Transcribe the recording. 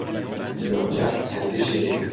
leurs cartes sont déchirées.